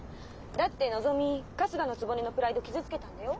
だってのぞみ春日局のプライド傷つけたんだよ。